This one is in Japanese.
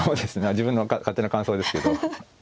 自分の勝手な感想ですけど。